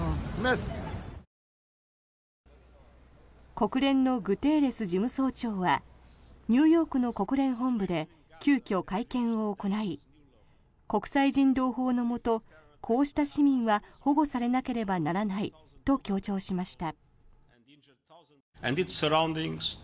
国連のグテーレス事務総長はニューヨークの国連本部で急きょ、会見を行い国際人道法のもとこうした市民は保護されなければならないと強調しました。